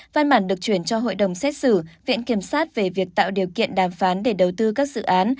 văn bản được chuyển cho hội đồng xét xử viện kiểm sát về việc tạo điều kiện đàm phán để đầu tư các dự án